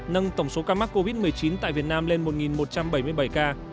nâng tổng số ca mắc covid một mươi chín tại việt nam lên một một trăm bảy mươi bảy ca